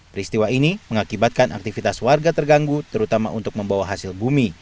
peristiwa ini mengakibatkan aktivitas warga terganggu terutama untuk membawa hasil bumi